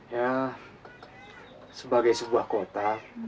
ya sebagai sebuah kota